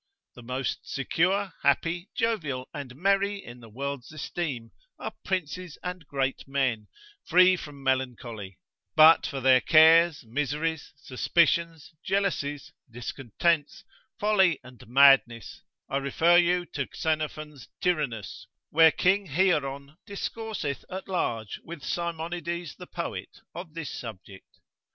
The most secure, happy, jovial, and merry in the world's esteem are princes and great men, free from melancholy: but for their cares, miseries, suspicions, jealousies, discontents, folly and madness, I refer you to Xenophon's Tyrannus, where king Hieron discourseth at large with Simonides the poet, of this subject.